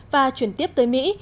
và chuyển tiếp tới mỹ